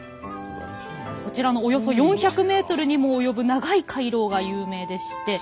こちらのおよそ４００ｍにも及ぶ長い回廊が有名でして。